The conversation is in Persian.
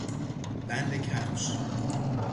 بند کفش